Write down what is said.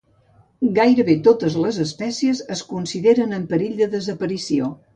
Gairebé totes les espècies es consideren en perill de desaparició.